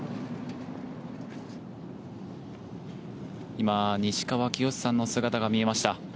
今、西川きよしさんの姿が見えました。